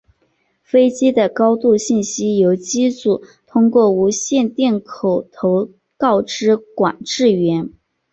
飞机的高度信息由机组通过无线电口头告知管制员。